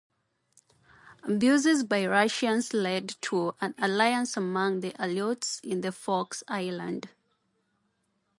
Abuses by the Russians led to an alliance among Aleuts in the Fox Islands.